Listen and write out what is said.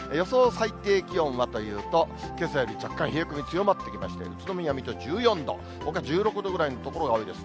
最低気温はというと、けさより若干冷えが強まってきまして、宇都宮、水戸１４度、ほか１６度ぐらいの所が多いです。